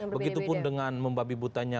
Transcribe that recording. begitupun dengan membabi butanya